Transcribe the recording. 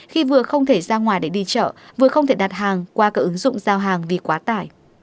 khi vừa không thể ra ngoài để đi chợ vừa không thể đặt hàng qua các ứng dụng giao hàng vì quá tải